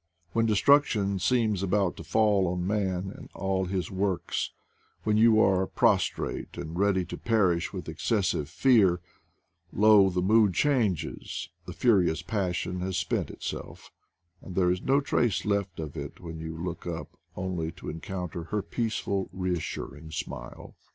When de struction seems about to fall on man and all his works, when you are prostrate and ready to perish with excessive fear, lo, the mood changes, the furi ous passion has spent itself, and there is no trace left of it when you look up only to encounter her peaceful reassuring smile.